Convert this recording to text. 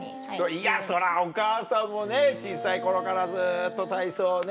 いやそりゃお母さんもね小さい頃からずっと体操をね